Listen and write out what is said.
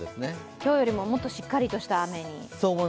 今日よりも、もっとしっかりとした雨に。